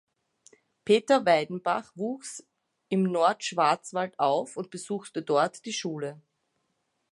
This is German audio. Peter Weidenbach wuchs im Nordschwarzwald auf und besuchte dort die Schule.